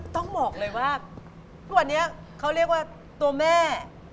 ตัวเนี่ยเค้าเรียกว่าตัวแม่